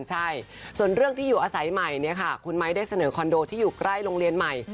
ใช่ส่วนเรื่องที่อยู่อาศัยใหม่เนี่ยค่ะคุณไม้ได้เสนอคอนโดที่อยู่ใกล้โรงเรียนใหม่